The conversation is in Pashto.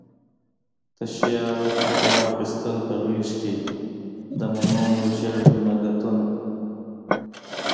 تشیال واخیستل په غیږکې، د مڼو ژړ نګهتونه